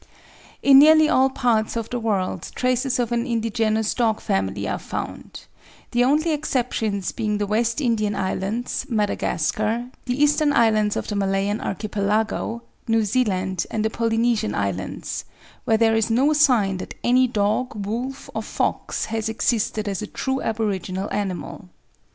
In nearly all parts of the world traces of an indigenous dog family are found, the only exceptions being the West Indian Islands, Madagascar, the eastern islands of the Malayan Archipelago, New Zealand, and the Polynesian Islands, where there is no sign that any dog, wolf, or fox has existed as a true aboriginal animal.